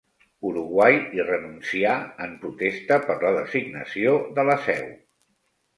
Uruguai hi renuncià en protesta per la designació de la seu.